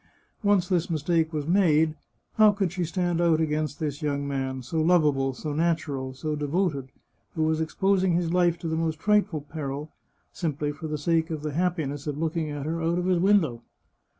Once this mistake was made, how could she stand out against this young man, so lovable, so natural, so devoted, who was exposing his life to the most frightful peril, simply for the sake of the hap piness of looking at her out of his window